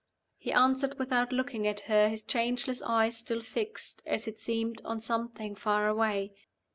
He answered without looking at her, his changeless eyes still fixed, as it seemed, on something far away.